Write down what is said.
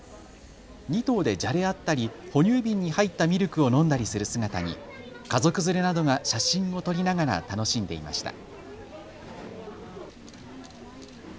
２頭でじゃれ合ったり哺乳瓶に入ったミルクを飲んだりする姿に家族連れなどが写真を撮りながら楽しんでいました。